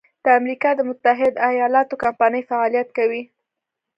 د امریکا د متحد ایلااتو کمپنۍ فعالیت کوي.